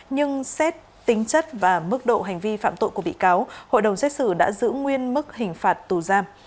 nhưng xét tính chất và mức độ hành vi phạm tội của bị cáo hội đồng xét xử đã giữ nguyên mức hình phạt tù giam